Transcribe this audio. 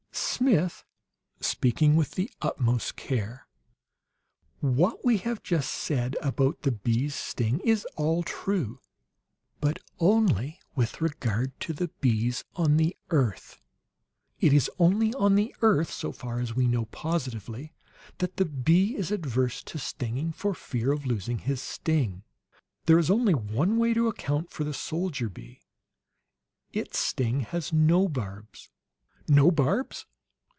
"Smith" speaking with the utmost care "what we have just said about the bee's sting is all true; but only with regard to the bees on the earth. It is only on the earth, so far as we know positively, that the bee is averse to stinging, for fear of losing his sting. "There is only one way to account for the soldier bee. Its sting has no barbs!" "No barbs?"